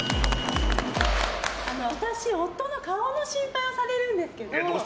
あの、私夫の顔の心配をされるんですけど。